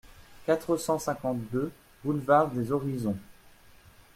quatre cent cinquante-deux boulevard des Horizons